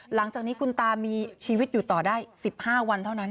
หลังจากนี้คุณตามีชีวิตอยู่ต่อได้๑๕วันเท่านั้น